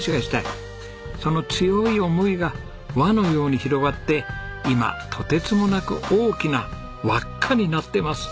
その強い思いが「輪」のように広がって今とてつもなく大きな「わっか」になってます。